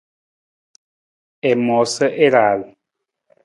I moosa i raal.